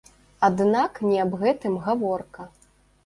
Аднак не аб гэтым гаворка.